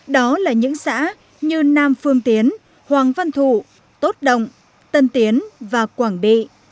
đó là những xã như nam phương tiến hoàng văn thụ tốt động tân tiến và quảng bị